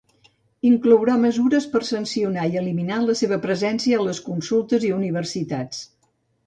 Inclourà mesures per sancionar i eliminar la seva presència a les consultes i universitats.